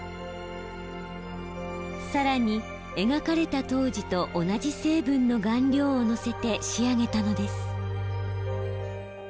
更に描かれた当時と同じ成分の顔料をのせて仕上げたのです。